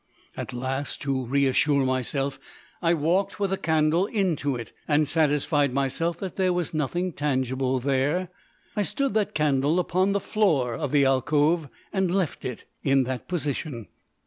At last, to reassure myself, I walked with a candle into it, and satisfied myself that there was nothing tangible there. I stood that candle upon the floor of the alcove, and left it in that position.